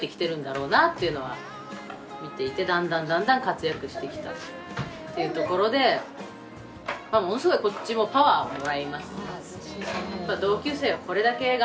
見ていてだんだんだんだん活躍してきたっていうところでものすごいこっちもパワーをもらいますね。